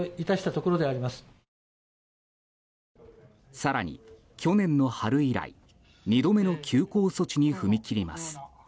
更に去年の春以来、２度目の休校措置に踏み切ります。